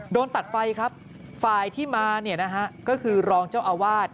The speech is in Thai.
โดนตัดไฟครับฝ่ายที่มาเนี่ยนะฮะก็คือรองเจ้าอาวาส